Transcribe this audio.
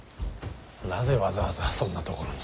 なぜわざわざそんな所に。